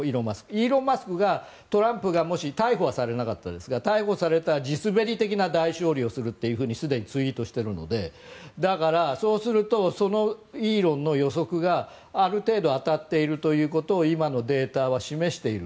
イーロン・マスクがトランプが逮捕されなかったですがもし、逮捕されたら地滑り的な大勝利をするとすでにツイートしているのでだから、そうするとそのイーロンの予測がある程度当たっているということを今のデータは示している。